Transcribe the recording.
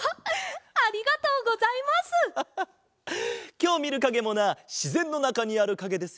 きょうみるかげもなしぜんのなかにあるかげですよ。